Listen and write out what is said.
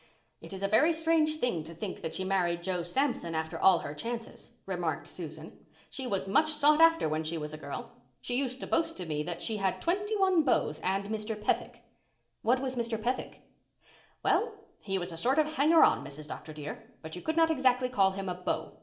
"It is a very strange thing to think that she married Joe Samson after all her chances," remarked Susan. "She was much sought after when she was a girl. She used to boast to me that she had twenty one beaus and Mr. Pethick." "What was Mr. Pethick?" "Well, he was a sort of hanger on, Mrs. Dr. dear, but you could not exactly call him a beau.